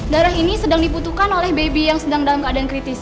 darah ini sedang dibutuhkan oleh baby yang sedang dalam keadaan kritis